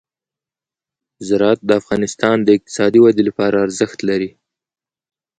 زراعت د افغانستان د اقتصادي ودې لپاره ارزښت لري.